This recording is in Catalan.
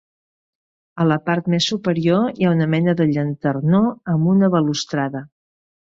A la part més superior hi ha una mena de llanternó amb una balustrada.